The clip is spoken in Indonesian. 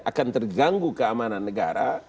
akan terganggu keamanan negara